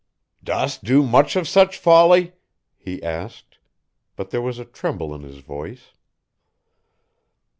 "Dost do much of such folly?" he asked, but there was a tremble in his voice.